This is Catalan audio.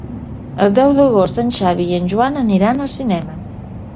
El deu d'agost en Xavi i en Joan aniran al cinema.